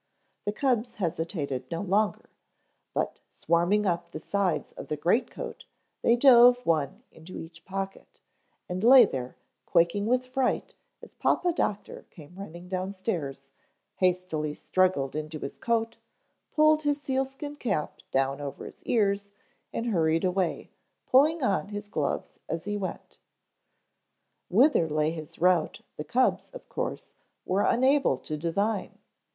The cubs hesitated no longer, but swarming up the sides of the greatcoat they dove one into each pocket, and lay there quaking with fright as Papa Doctor came running downstairs, hastily struggled into his coat, pulled his sealskin cap down over his ears and hurried away, pulling on his gloves as he went. Whither lay his route the cubs, of course, were unable to divine.